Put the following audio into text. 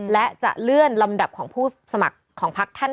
และจะเลื่อนลำดับของผู้สมัครของพักท่าน